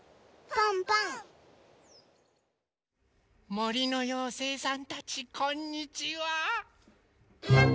もりのようせいさんたちこんにちは！